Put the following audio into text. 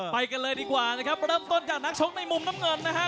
ไปกันเลยดีกว่านะครับเริ่มต้นจากนักชกในมุมน้ำเงินนะฮะ